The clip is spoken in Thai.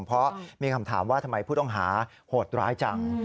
เพราะมีคำถามว่าทำไมผู้ต้องหาโหดร้ายจัง